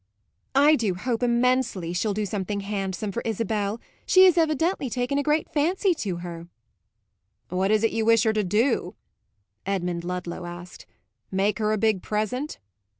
"I do hope immensely she'll do something handsome for Isabel; she has evidently taken a great fancy to her." "What is it you wish her to do?" Edmund Ludlow asked. "Make her a big present?"